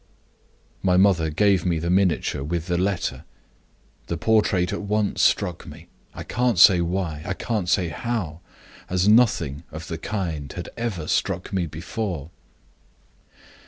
My mother gave me the miniature with the letter. The portrait at once struck me I can't say why, I can't say how as nothing of the kind had ever struck me before.